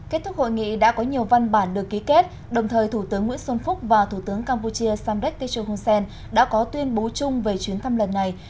kết thúc hội nghị đã có nhiều văn bản được ký kết đồng thời thủ tướng nguyễn xuân phúc và thủ tướng campuchia samdek ticho hun sen đã có tuyên bố chung về chuyến thăm lần này